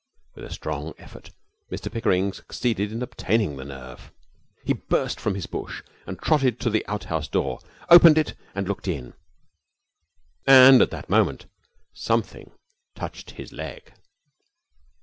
With a strong effort Mr Pickering succeeded in obtaining the nerve. He burst from his bush and trotted to the outhouse door, opened it, and looked in. And at that moment something touched his leg.